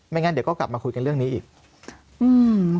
งั้นเดี๋ยวก็กลับมาคุยกันเรื่องนี้อีกอืม